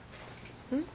うん？